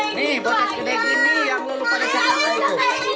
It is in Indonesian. nih buatan kedengin ini yang lupa di jalan baik